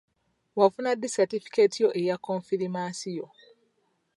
Wafuna ddi satifukeeti yo eya konfirimansiyo?